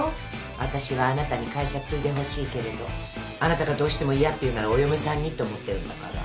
私はあなたに会社継いでほしいけれどあなたがどうしても嫌っていうならお嫁さんにって思ってるんだから。